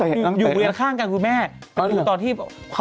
อ๋อครั้งนี้คุณรู้แล้วรู้อีกนะ